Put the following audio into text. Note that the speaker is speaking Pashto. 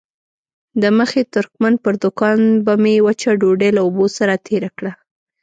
د مخي ترکمن پر دوکان به مې وچه ډوډۍ له اوبو سره تېره کړه.